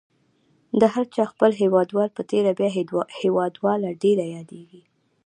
د هر چا خپل هیوادوال په تېره بیا هیوادواله ډېره یادیږي.